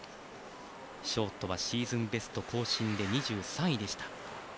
ショートはシーズンベスト更新で２３位でした。